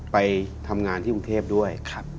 ไปทำงานที่กรุงเทพด้วย